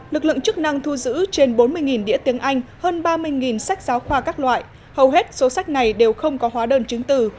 lực lượng chức năng thu giữ trên bốn mươi đĩa tiếng anh hơn ba mươi sách giáo khoa các loại hầu hết số sách này đều không có hóa đơn chứng từ